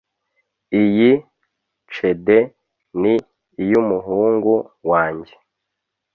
Iyi CD ni iyumuhungu wanjye